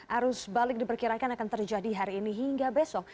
arus balik diperkirakan akan terjadi hari ini hingga besok